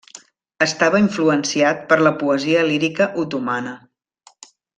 Estava influenciat per la poesia lírica otomana.